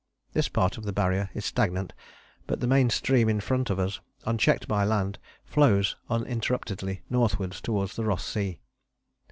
This part of the Barrier is stagnant, but the main stream in front of us, unchecked by land, flows uninterruptedly northwards towards the Ross Sea.